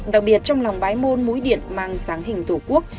đặc biệt trong lòng bãi môn mũi điện mang dáng hình tổ quốc